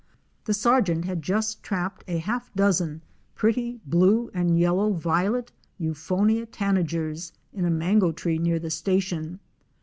The sergeant had just trapped a half dozen pretty blue and yellow Violet Euphonia Tan 140 * agers ' ina mango tree near the station.